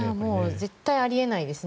絶対あり得ないですね。